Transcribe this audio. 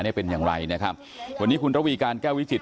เป็นอย่างไรนะครับวันนี้คุณระวีการแก้ววิจิต